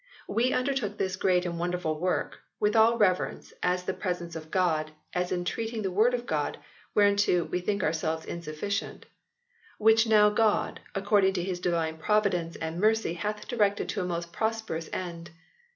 we undertook this great and wonderful work (with all reverence, as in the presence of God, as entreating the Word of God, whereunto we think ourselves insufficient), which now God, according to his Divine providence and mercy hath directed to a most prosperous end...